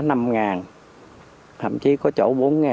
thậm chí có chỗ bốn